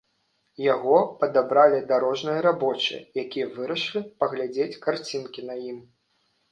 Яго падабралі дарожныя рабочыя, якія вырашылі паглядзець карцінкі на ім.